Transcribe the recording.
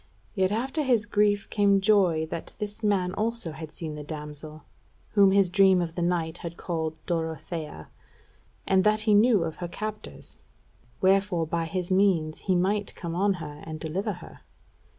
Yet after his grief came joy that this man also had seen the damsel, whom his dream of the night had called Dorothea, and that he knew of her captors; wherefore by his means he might come on her and deliver her.